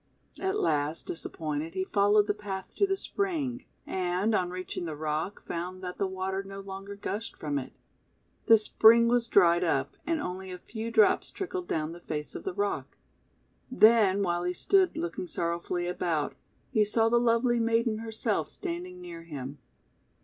At last, disappointed, he followed the path to the spring, and, on reaching the rock, found that the water no longer gushed from it. The spring was dried up, and only a few drops trickled down the face of the rock. Then while he stood looking sorrowfully about, he saw the lovely maiden herself standing near him.